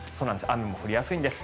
雨も降りやすいんです。